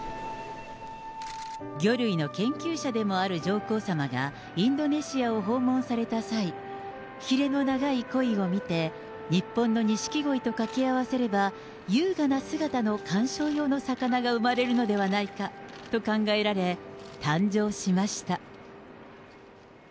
魚類の研究者でもある上皇さまが、インドネシアを訪問された際、ひれの長いこいを見て、日本のニシキゴイとかけ合わせれば、優雅な姿の観賞用の魚が生まれるのではないかと考えられ、誕生しました。